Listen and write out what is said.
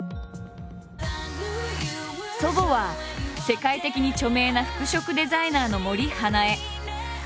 祖母は世界的に著名な服飾デザイナーの森英恵。